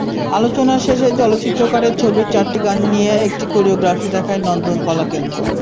আলোচনা শেষে চলচ্চিত্রকারের ছবির চারটি গান নিয়ে একটি কোরিওগ্রাফি দেখায় নন্দন কলাকেন্দ্র।